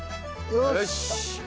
よし。